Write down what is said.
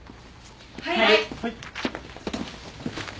はい。